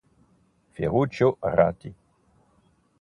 Ferruccio Ratti